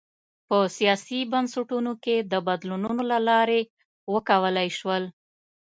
په سیاسي بنسټونو کې د بدلونونو له لارې وکولای شول.